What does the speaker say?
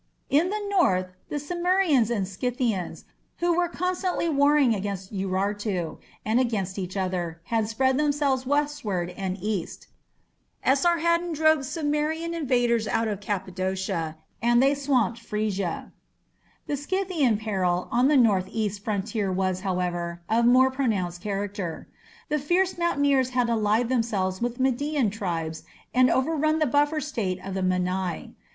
In the north the Cimmerians and Scythians, who were constantly warring against Urartu, and against each other, had spread themselves westward and east. Esarhaddon drove Cimmerian invaders out of Cappadocia, and they swamped Phrygia. The Scythian peril on the north east frontier was, however, of more pronounced character. The fierce mountaineers had allied themselves with Median tribes and overrun the buffer State of the Mannai.